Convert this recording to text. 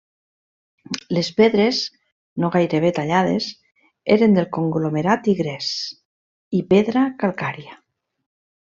Les pedres, no gairebé tallades eren del conglomerat i gres i pedra calcària.